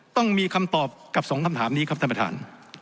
ต้องมีคำตอบกับสองคำถามนี้ครับท่านประธาน